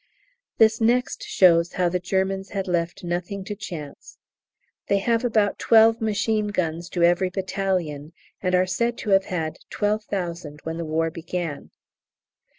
This next shows how the Germans had left nothing to chance. They have about twelve machine guns to every battalion, and are said to have had 12,000 when the War began.